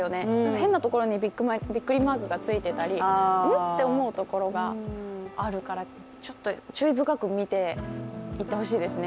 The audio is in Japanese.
変なところにビックリマークがついていたりうん？って思うところがあるからちょっと注意深く見ていってほしいですね。